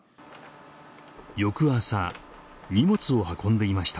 翌朝荷物を運んでいました